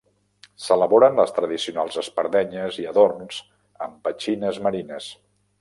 S'elaboren les tradicionals espardenyes i adorns amb petxines marines.